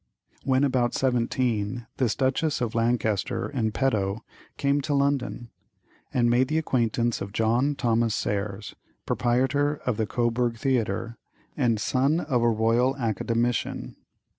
When about seventeen this "Duchess of Lancaster" in petto came to London, and made the acquaintance of John Thomas Serres, proprietor of the Coburg Theatre, and son of a royal academician.